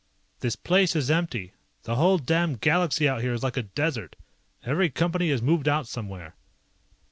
"This place is empty. The whole damned galaxy out here is like a desert. Every Company has moved out somewhere."